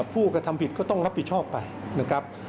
ผู้กระทำผิดก็ต้องรับผิดชอบไปนะครับ